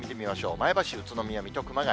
前橋、宇都宮、水戸、熊谷。